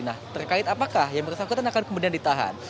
nah terkait apakah yang bersangkutan akan kemudian ditahan